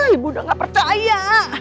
ibu udah nggak percaya